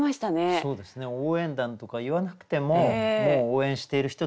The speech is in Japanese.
そうですね「応援団」とか言わなくてももう応援している人たちが見えるように。